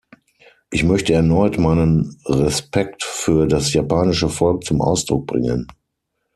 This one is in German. Ich möchte erneut meinen Respekt für das japanische Volk zum Ausdruck bringen.